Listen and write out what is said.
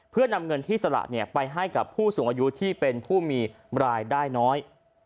เพื่อนำเงินที่สละไปให้กับผู้สูงอายุที่เป็นผู้มีรายได้น้อย